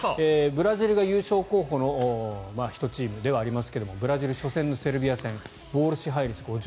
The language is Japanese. ブラジルが優勝候補の１チームではありますがブラジル、初戦のセルビア戦ボール支配率、５３％。